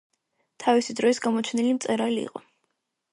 თავისი დროის გამოჩენილი მწერალი იყო.